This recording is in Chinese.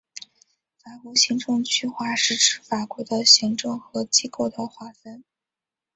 法国行政区划是指法国的行政和机构的划分。